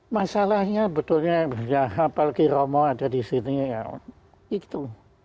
masalahnya betulnya apalagi romo ada di sini ya itu